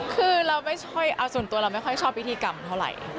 คือเราส่วนตัวเราไม่ค่อยชอบพิธีกรรมเท่าไหร่